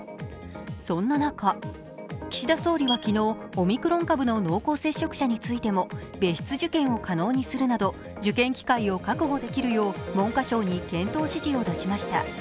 そんな中、岸田総理は昨日オミクロン株の濃厚接触者についても別室受験を可能にするなど受験機会を確保できるよう文科省に検討指示を出しました。